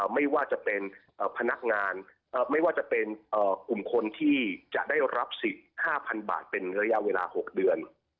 ไม่ว่าจะเป็นพนักงานไม่ว่าจะเป็นกลุ่มคนที่จะได้รับสิทธิ์๕๐๐๐บาทเป็นระยะเวลา๖เดือน